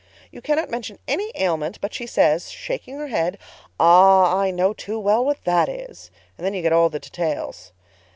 You cannot mention any ailment but she says, shaking her head, 'Ah, I know too well what that is'—and then you get all the details.